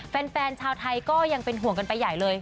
แฟนชาวไทยก็ยังเป็นห่วงกันไปใหญ่เลย